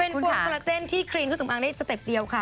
เป็นพวงโปรลาเจนที่ครีนก็สำอางได้สเต็ปเดียวค่ะ